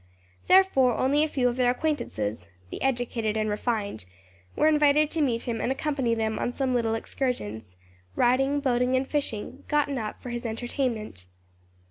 Therefore only a few of their acquaintances the educated and refined were invited to meet him and accompany them on some little excursions riding, boating, and fishing gotten up for his entertainment.